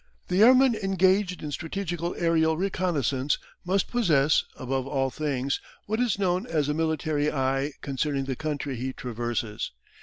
The airman engaged in strategical aerial reconnaissance must possess, above all things, what is known as a "military" eye concerning the country he traverses.